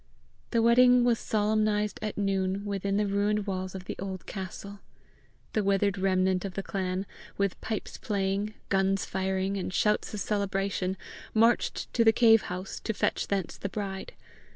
The wedding was solemnized at noon within the ruined walls of the old castle. The withered remnant of the clan, with pipes playing, guns firing, and shouts of celebration, marched to the cave house to fetch thence the bride.